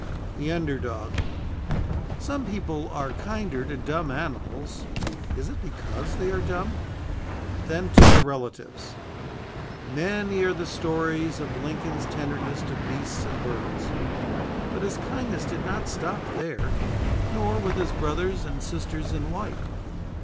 "THE UNDER DOG" Some people are kinder to dumb animals is it because they are dumb? than to their relatives. Many are the stories of Lincoln's tenderness to beasts and birds. But his kindness did not stop there, nor with his brothers and sisters in white.